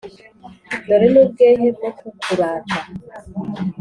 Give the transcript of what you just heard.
dore n’ubwehe bwo kukurata,